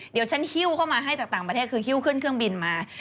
เดี๋ยวฉันหิ้วเข้ามาให้จากต่างประเทศคือฮิ้วขึ้นเครื่องบินมา